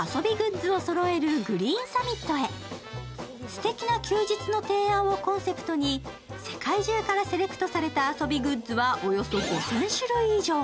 すてきな休日の提案をコンセプトに世界中からセレクトされた遊びグッズはおよそ５０００種類以上。